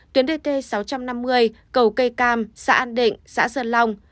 tuyến dk sáu trăm năm mươi cầu cây cam xã an định xã sơn long